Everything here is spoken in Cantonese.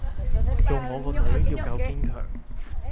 做我個女要夠堅強